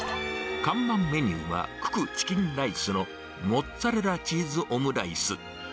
看板メニューは、ククチキンライスのモッツァレラチーズオムライス。